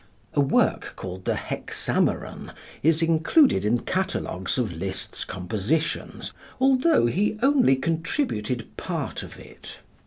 A work called the "Hexameron" is included in catalogues of Liszt's compositions, although he only contributed part of it.